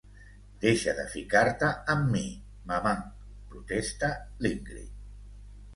Deixa de ficar-te amb mi, mamà —protesta l'Ingrid—.